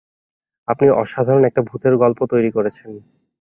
আপনি অসাধারণ একটা ভূতের গল্প তৈরি করেছেন।